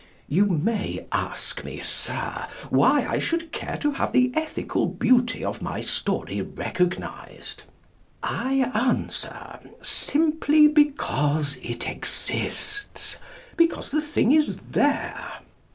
You may ask me, Sir, why I should care to have the ethical beauty of my story recognised. I answer simply because it exists, because the thing is there.